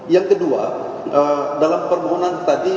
yang kedua dalam permohonan tadi